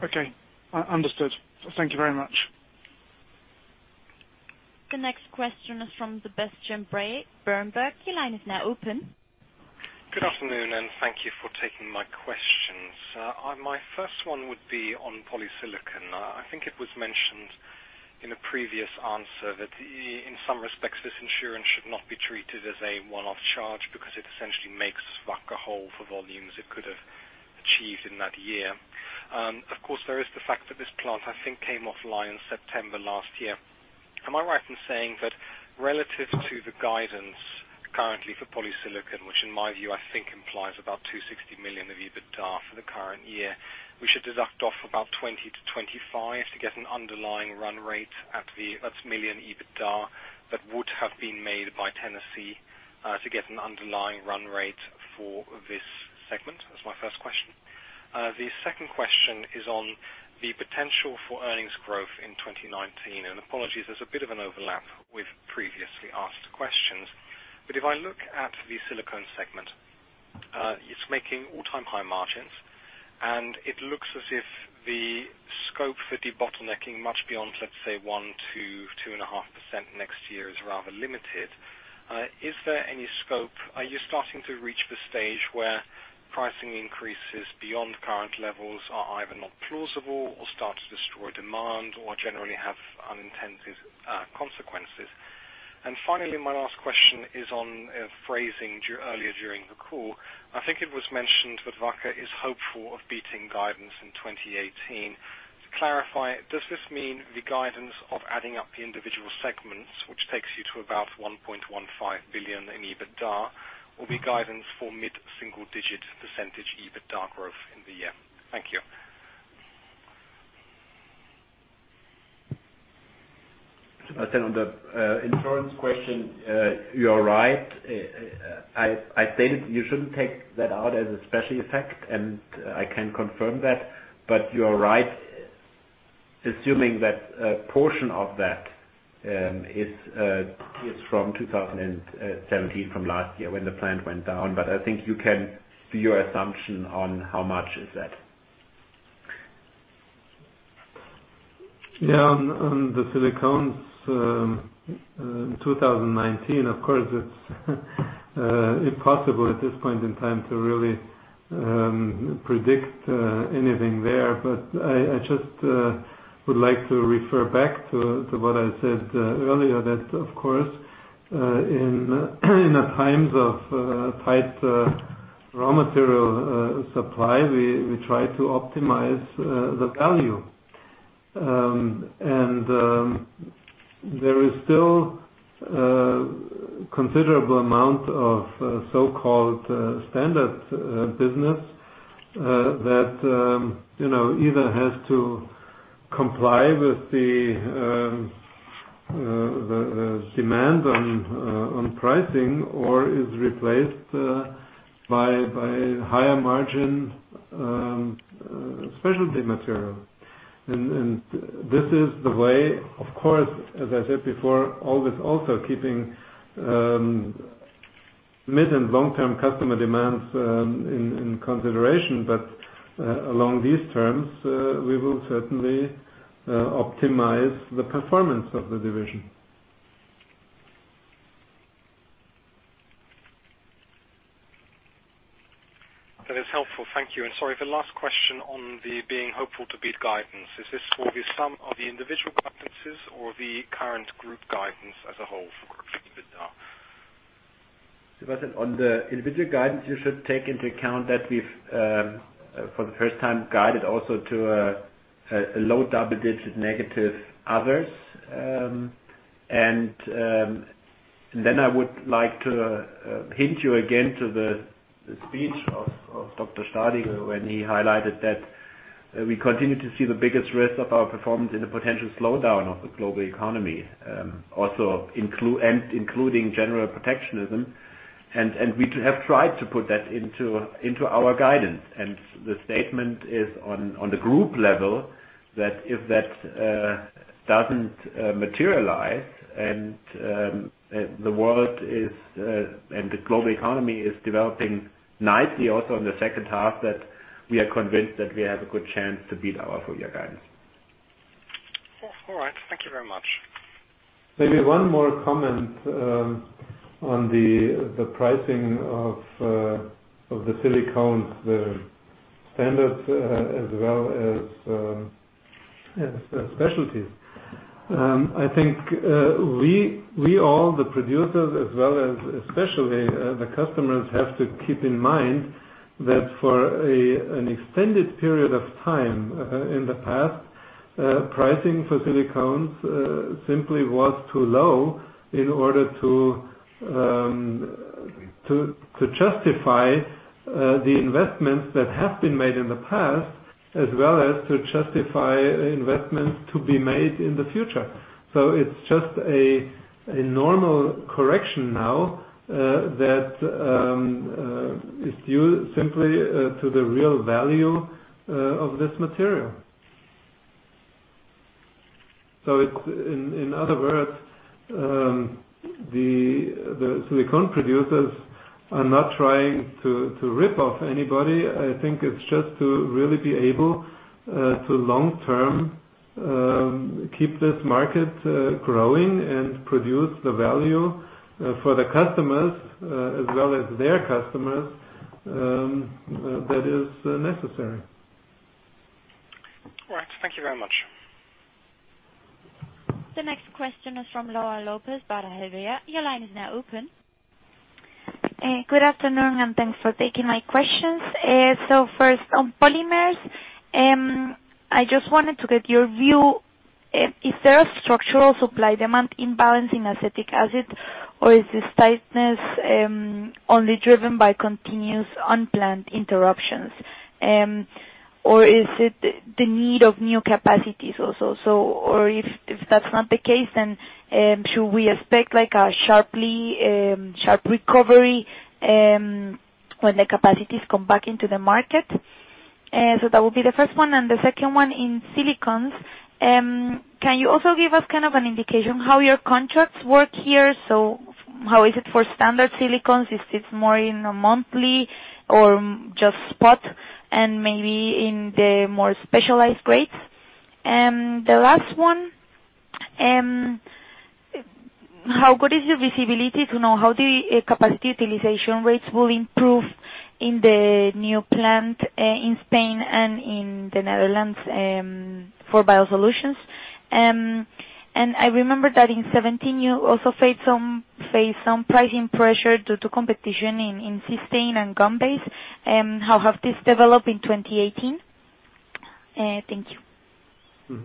Okay. Understood. Thank you very much. The next question is from Sebastian Bray, Berenberg. Your line is now open. Good afternoon, thank you for taking my questions. My first one would be on polysilicon. I think it was mentioned in a previous answer that in some respects, this insurance should not be treated as a one-off charge because it essentially makes Wacker whole for volumes it could have achieved in that year. Of course, there is the fact that this plant, I think, came offline September last year. Am I right in saying that relative to the guidance currently for polysilicon, which in my view, I think implies about 260 million of EBITDA for the current year, we should deduct off about 20 million to 25 million to get an underlying run rate. That's million EUR EBITDA that would have been made by Tennessee, to get an underlying run rate for this segment? That's my first question. The second question is on the potential for earnings growth in 2019. Apologies, there's a bit of an overlap with previously asked questions. If I look at the silicones segment, it's making all-time high margins, and it looks as if the scope for debottlenecking much beyond, let's say, 1%-2.5% next year is rather limited. Is there any scope? Are you starting to reach the stage where pricing increases beyond current levels are either not plausible or start to destroy demand or generally have unintended consequences? Finally, my last question is on phrasing earlier during the call. I think it was mentioned that Wacker is hopeful of beating guidance in 2018. To clarify, does this mean the guidance of adding up the individual segments, which takes you to about 1.15 billion in EBITDA, or the guidance for mid-single-digit % EBITDA growth in the year? Thank you. Sebastian, on the insurance question, you are right. I stated you shouldn't take that out as a special effect, I can confirm that. You are right, assuming that a portion of that is from 2017, from last year when the plant went down. I think you can do your assumption on how much is that. Yeah. On the silicones, 2019, of course, it's impossible at this point in time to really predict anything there. I just would like to refer back to what I said earlier that, of course, in times of tight raw material supply, we try to optimize the value. There is still a considerable amount of so-called standard business that either has to comply with the demand on pricing or is replaced by higher margin specialty material. This is the way, of course, as I said before, always also keeping mid- and long-term customer demands in consideration. Along these terms, we will certainly optimize the performance of the division. That is helpful. Thank you. Sorry, the last question on the being hopeful to beat guidance. Is this for the sum of the individual guidances or the current group guidance as a whole for group EBITDA? Sebastian, on the individual guidance, you should take into account that we've, for the first time, guided also to a low double-digit negative others. Then I would like to hint you again to the speech of Dr. Staudigl when he highlighted that we continue to see the biggest risk of our performance in the potential slowdown of the global economy, also including general protectionism. We have tried to put that into our guidance. The statement is on the group level, that if that doesn't materialize, and the global economy is developing nicely also in the second half, that we are convinced that we have a good chance to beat our full-year guidance. All right. Thank you very much. Maybe one more comment on the pricing of the silicones, the standards as well as specialties. I think we all, the producers as well as especially the customers, have to keep in mind that for an extended period of time in the past, pricing for silicones simply was too low in order to justify the investments that have been made in the past as well as to justify investments to be made in the future. It's just a normal correction now that is due simply to the real value of this material. In other words, the silicone producers are not trying to rip off anybody. I think it's just to really be able to long-term keep this market growing and produce the value for the customers as well as their customers that is necessary. All right. Thank you very much. The next question is from Laura Lopez Buesa. Your line is now open. Good afternoon, thanks for taking my questions. First on polymers, I just wanted to get your view. Is there a structural supply-demand imbalance in acetic acid, or is this tightness only driven by continuous unplanned interruptions? Is it the need of new capacities also? If that's not the case, should we expect a sharp recovery when the capacities come back into the market? That would be the first one, and the second one in silicones. Can you also give us an indication how your contracts work here? How is it for standard silicones, if it's more in a monthly or just spot and maybe in the more specialized grades? The last one, how good is your visibility to know how the capacity utilization rates will improve in the new plant in Spain and in the Netherlands for Wacker Biosolutions? I remember that in 2017 you also faced some pricing pressure due to competition in cysteine and gum base. How have these developed in 2018? Thank you.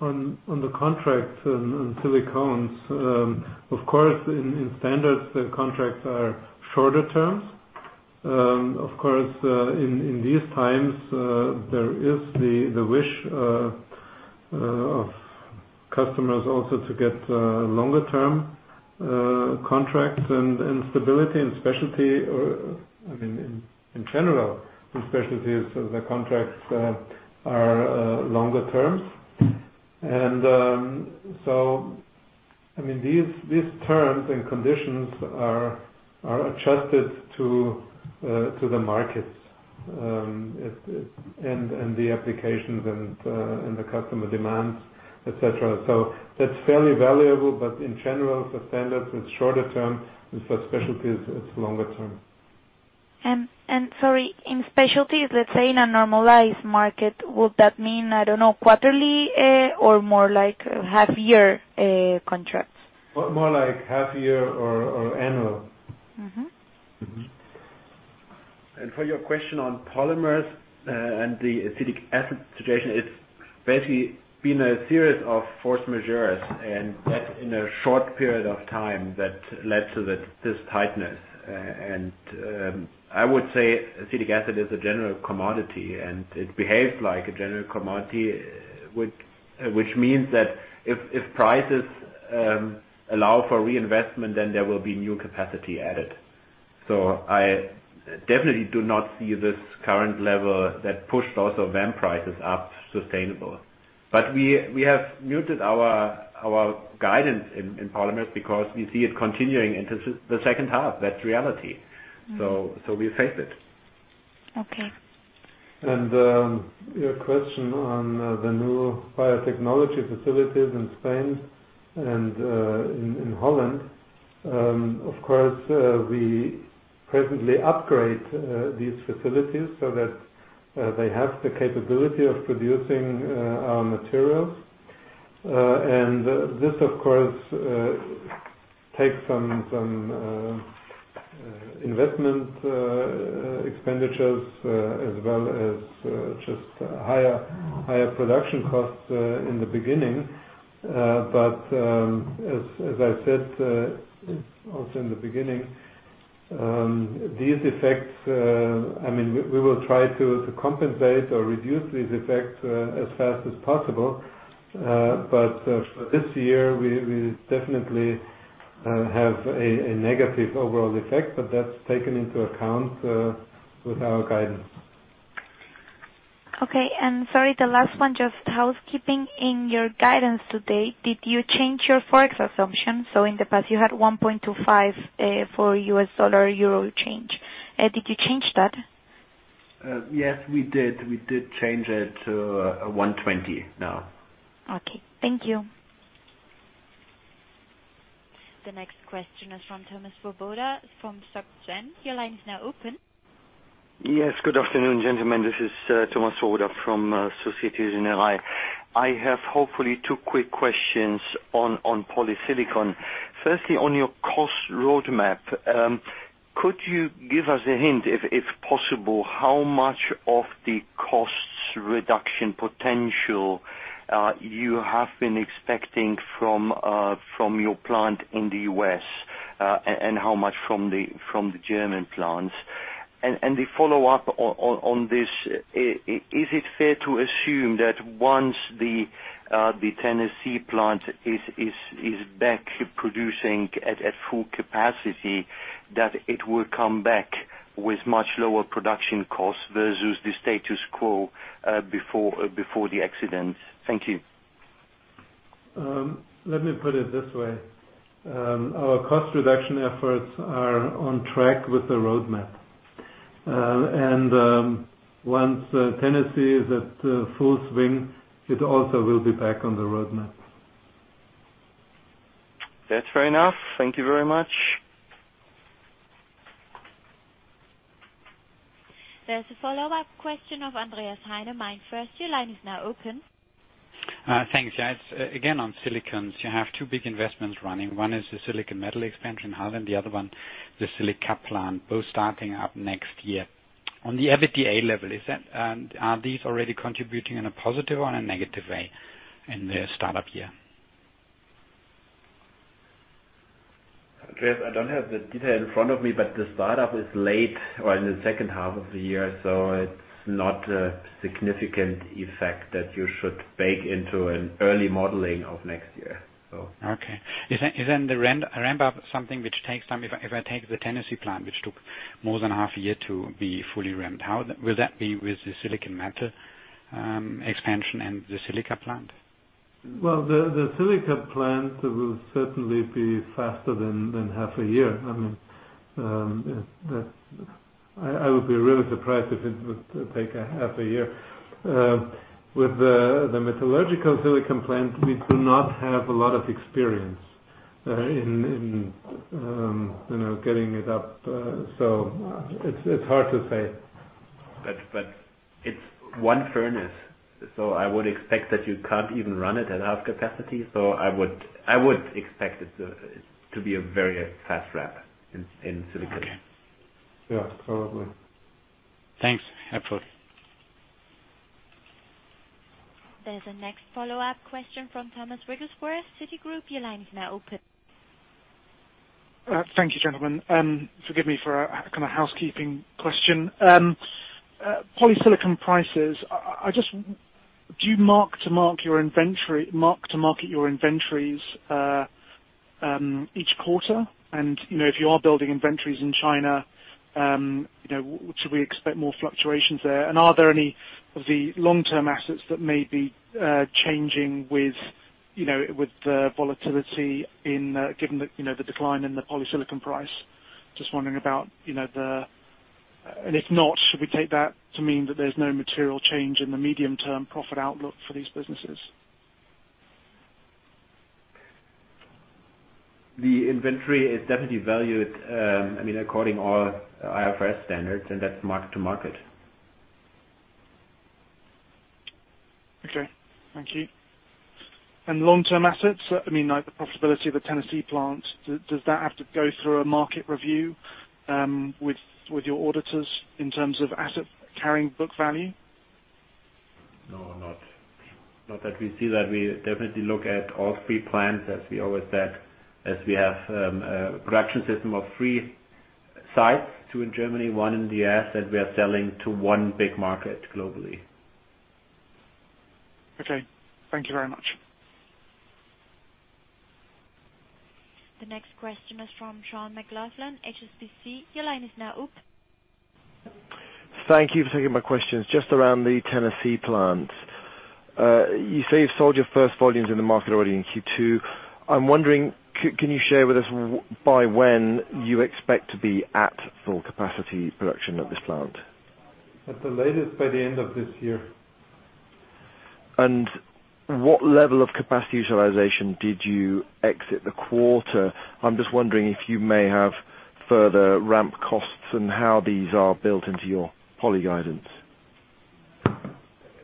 On the contracts and silicones. In standards, contracts are shorter terms. In these times, there is the wish of customers also to get longer term contracts and stability and specialty. In general, in specialties, the contracts are longer terms. These terms and conditions are adjusted to the markets, the applications and the customer demands, et cetera. That's fairly valuable. In general, for standards, it's shorter term, and for specialties, it's longer term. Sorry, in specialties, let's say in a normalized market, would that mean, I don't know, quarterly or more like half year contracts? More like half year or annual. For your question on polymers and the acetic acid situation, it has basically been a series of force majeure and that in a short period of time that led to this tightness. I would say acetic acid is a general commodity, and it behaves like a general commodity, which means that if prices allow for reinvestment, then there will be new capacity added. So I definitely do not see this current level that pushed also VAM prices up sustainable. But we have muted our guidance in polymers because we see it continuing into the second half. That is reality. So we face it. Okay. Your question on the new biotechnology facilities in Spain and in Holland. Of course, we presently upgrade these facilities so that they have the capability of producing our materials. This, of course, takes some investment expenditures as well as just higher production costs in the beginning. But, as I said also in the beginning, these effects, we will try to compensate or reduce these effects as fast as possible. But for this year, we definitely have a negative overall effect. But that is taken into account with our guidance. Okay. Sorry, the last one, just housekeeping. In your guidance today, did you change your Forex assumption? In the past you had 1.25 for U.S. dollar/euro change. Did you change that? Yes, we did. We did change it to a 1.20 now. Okay. Thank you. The next question is from Thomas Swoboda from Societe Generale. Your line is now open. Yes, good afternoon, gentlemen. This is Thomas Swoboda from Société Générale. I have, hopefully, two quick questions on polysilicon. Firstly, on your cost roadmap, could you give us a hint, if possible, how much of the costs reduction potential you have been expecting from your plant in the U.S., and how much from the German plants? The follow-up on this, is it fair to assume that once the Tennessee plant is back producing at full capacity, that it will come back with much lower production costs versus the status quo before the accident? Thank you. Let me put it this way. Our cost reduction efforts are on track with the roadmap. Once Tennessee is at full swing, it also will be back on the roadmap. That's fair enough. Thank you very much. There's a follow-up question of Andreas Heinemann first. Your line is now open. Thanks. Yes, again, on silicones. You have two big investments running. One is the silicon metal expansion hub and the other one the silica plant, both starting up next year. On the EBITDA level, are these already contributing in a positive or a negative way in their start-up year? Andreas, I don't have the detail in front of me, but the start-up is late or in the second half of the year. It's not a significant effect that you should bake into an early modeling of next year. Is the ramp-up something which takes time? If I take the Tennessee plant, which took more than a half a year to be fully ramped, how will that be with the silicon metal expansion and the silica plant? Well, the silica plant will certainly be faster than half a year. I would be really surprised if it would take a half a year. With the metallurgical silicon plant, we do not have a lot of experience in getting it up, so it's hard to say. It's one furnace, so I would expect that you can't even run it at half capacity. I would expect it to be a very fast ramp in silicon. Okay. Yeah, probably. Thanks. Have fun. There's a next follow-up question from Tom Wrigglesworth for Citigroup. Your line is now open. Thank you, gentlemen. Forgive me for a kind of housekeeping question. polysilicon prices. Do you mark to market your inventories each quarter? If you are building inventories in China, should we expect more fluctuations there? Are there any of the long-term assets that may be changing with the volatility, given the decline in the polysilicon price? Just wondering about the. If not, should we take that to mean that there's no material change in the medium-term profit outlook for these businesses? The inventory is definitely valued according to all IFRS standards, and that's market to market. Okay. Thank you. Long-term assets, like the profitability of the Tennessee plant, does that have to go through a market review with your auditors in terms of asset carrying book value? No, not that we see that. We definitely look at all three plants, as we always said, as we have a production system of three sites, two in Germany, one in the U.S., that we are selling to one big market globally. Okay. Thank you very much. The next question is from Sean McLoughlin, HSBC. Your line is now open. Thank you for taking my questions. Just around the Tennessee plant. You say you've sold your first volumes in the market already in Q2. I'm wondering, can you share with us by when you expect to be at full capacity production of this plant? At the latest, by the end of this year. What level of capacity utilization did you exit the quarter? I'm just wondering if you may have further ramp costs and how these are built into your poly guidance.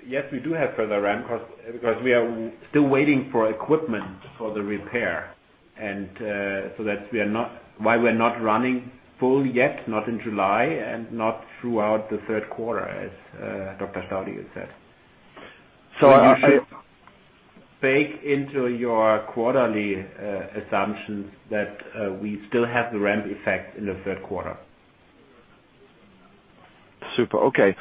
Yes, we do have further ramp costs because we are still waiting for equipment for the repair. That's why we're not running full yet, not in July and not throughout the third quarter, as Dr. Staudigl said. I'm sure bake into your quarterly assumptions that we still have the ramp effect in the third quarter. Super. Okay.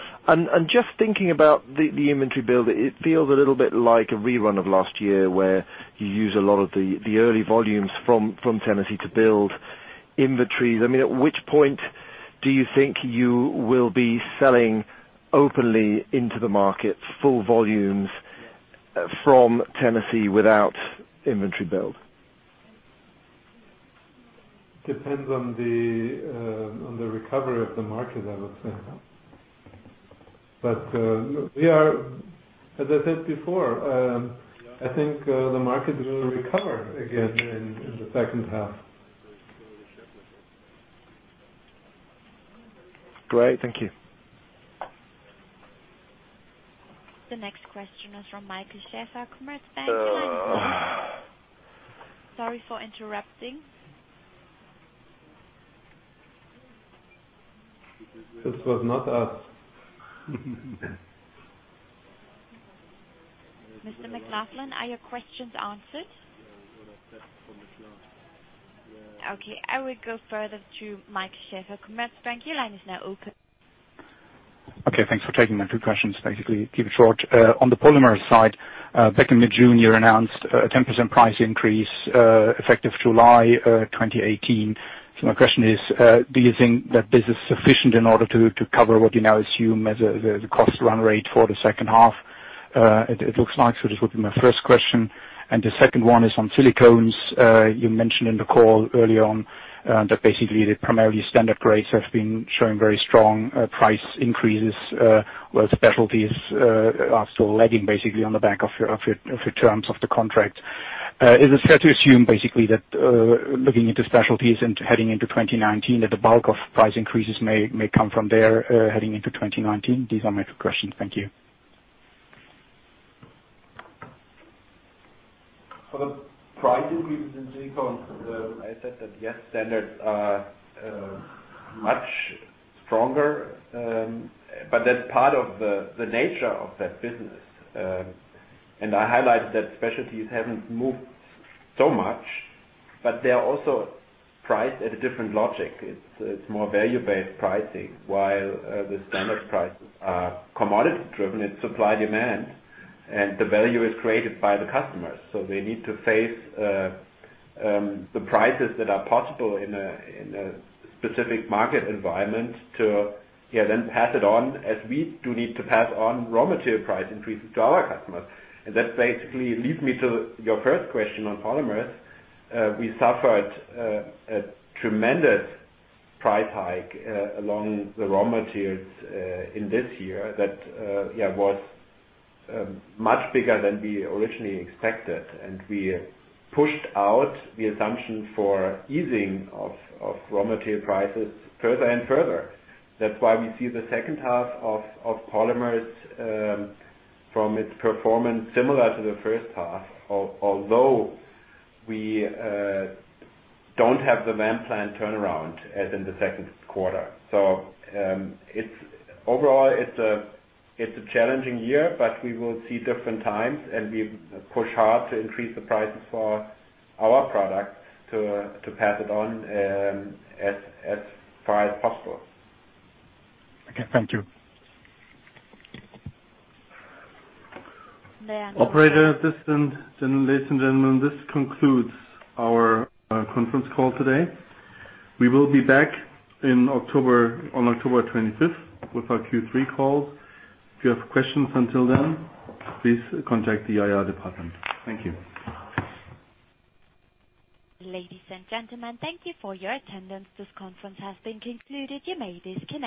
Just thinking about the inventory build, it feels a little bit like a rerun of last year, where you use a lot of the early volumes from Tennessee to build inventories. At which point do you think you will be selling openly into the market, full volumes from Tennessee without inventory build? Depends on the recovery of the market, I would say. As I said before, I think the market will recover again in the second half. Great. Thank you. The next question is from Michael Schaefer, Commerzbank. Sorry for interrupting. This was not us. Mr. McLoughlin, are your questions answered? I will go further to Mike Schaefer, Commerzbank, your line is now open. Thanks for taking my two questions. Keep it short. On the polymers side, back in mid-June, you announced a 10% price increase effective July 2018. My question is, do you think that this is sufficient in order to cover what you now assume as the cost run rate for the second half? It looks like. This would be my first question. The second one is on silicones. You mentioned in the call early on that basically the primarily standard grades have been showing very strong price increases, while specialties are still lagging, basically, on the back of your terms of the contract. Is it fair to assume, basically, that looking into specialties and heading into 2019, that the bulk of price increases may come from there heading into 2019? These are my two questions. Thank you. For the pricing reasons, I said that, yes, standards are much stronger, but that's part of the nature of that business. I highlighted that specialties haven't moved so much, but they are also priced at a different logic. It's more value-based pricing, while the standard prices are commodity-driven. It's supply-demand, and the value is created by the customers. They need to face the prices that are possible in a specific market environment to then pass it on, as we do need to pass on raw material price increases to our customers. That basically leads me to your first question on polymers. We suffered a tremendous price hike along the raw materials in this year that was much bigger than we originally expected. We pushed out the assumption for easing of raw material prices further and further. That's why we see the second half of polymers from its performance similar to the first half, although we don't have the plant turnaround as in the second quarter. Overall, it's a challenging year, but we will see different times, and we push hard to increase the prices for our products to pass it on as far as possible. Okay. Thank you. Operator, ladies and gentlemen, this concludes our conference call today. We will be back on October 25th with our Q3 call. If you have questions until then, please contact the IR department. Thank you. Ladies and gentlemen, thank you for your attendance. This conference has been concluded. You may disconnect.